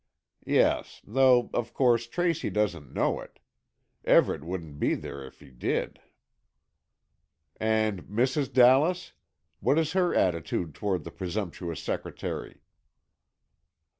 "Yes, though of course Tracy doesn't know it. Everett wouldn't be there if he did." "And Mrs. Dallas? What is her attitude toward the presumptuous secretary?"